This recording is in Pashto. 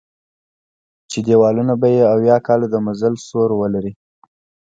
چې دېوالونه به یې اویا کالو د مزل سور ولري.